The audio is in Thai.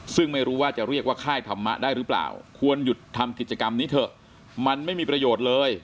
ซึ่งไม่รู้ว่าจะเรียกว่าค่ายธรรมะได้หรือเปล่าควรหยุดทำกิจกรรมนี้เถอะมันไม่มีประโยชน์เลย